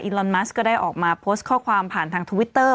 ลอนมัสก็ได้ออกมาโพสต์ข้อความผ่านทางทวิตเตอร์